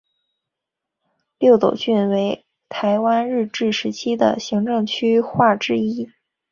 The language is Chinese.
斗六郡为台湾日治时期的行政区划之一。